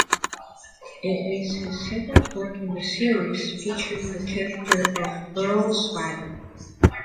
It is his second book in the series featuring the character of Earl Swagger.